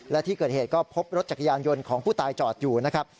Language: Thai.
และที่เกิดเหตุก็พบรถจักรยานยนต์ของผู้ตายจอดอยู่นะครับ